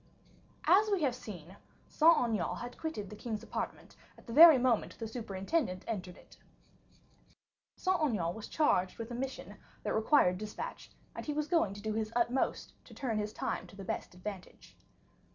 As we have seen, Saint Aignan had quitted the king's apartment at the very moment the superintendent entered it. Saint Aignan was charged with a mission that required dispatch, and he was going to do his utmost to turn his time to the best advantage.